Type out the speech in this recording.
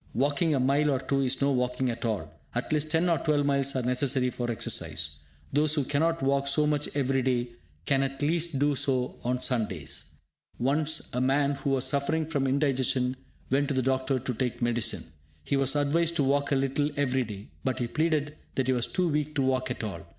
Walking a mile or two is no walking at all; at least ten or twelve miles are necessary for exercise. Those who cannot walk so much every day can at least do so on Sundays. Once a man who was suffering from indigestion went to the doctor to take medicine. He was advised to walk a little every day, but he pleaded that he was too weak to walk at all.